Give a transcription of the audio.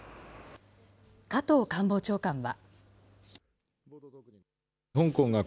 加藤官房長官は。